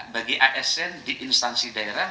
bagi asn di instansi daerah